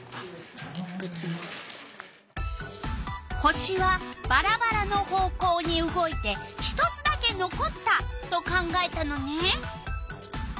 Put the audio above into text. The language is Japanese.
星はばらばらの方向に動いて１つだけのこったと考えたのね。